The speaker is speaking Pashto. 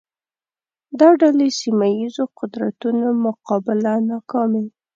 دا ډلې سیمه ییزو قدرتونو مقابله ناکامې